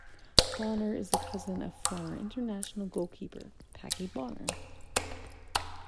Bonner is a cousin of former international goalkeeper, Packie Bonner.